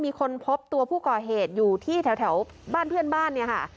มีคนพบตัวผู้ก่อเหตุอยู่ที่แถวบ้านเพื่อนบ้านเนี่ยค่ะ